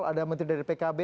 ada menteri dari pkb